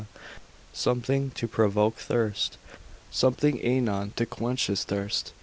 something to provoke thirst, something anon to quench his thirst.